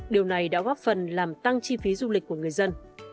điều này đã góp phần làm tăng chi phí du lịch của người dân